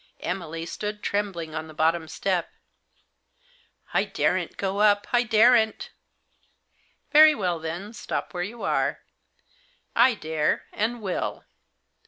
Emily stood trembling on the bottom step. " I daren't go up, I daren't." " Very well, then ; stop where you are. I dare, and will."